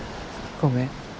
ごめん